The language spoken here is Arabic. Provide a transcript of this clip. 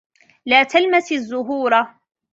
لا تلمس الزهور.